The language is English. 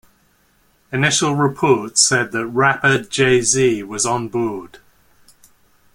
Initial reports said that rapper Jay-Z was on board.